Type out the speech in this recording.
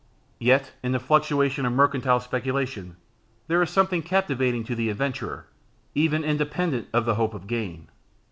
Yet, in the fluctuations of mercantile speculation, there is something captivating to the adventurer, even independent of the hope of gain.